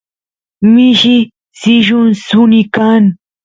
mishi sillun suni kan